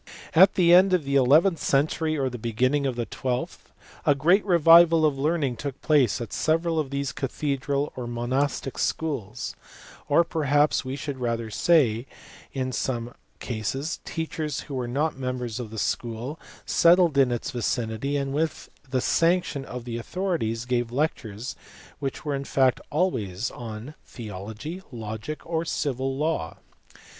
At the end of the eleventh century or the beginning of the twelfth a great revival of learning took place at several of these cathedral or monastic schools; or perhaps we should rather say that in some cases teachers who were not members of the school settled in its vicinity and with the sanction of the authorities gave lectures which were in fact always on theo logy, logic, or civil law.